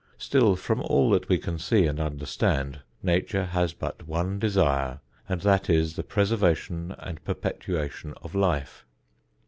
Still from all that we can see and understand, Nature has but one desire, and that is the preservation and perpetuation of life.